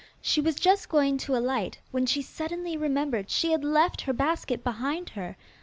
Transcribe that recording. She was just going to alight, when she suddenly remembered she had left her basket behind her.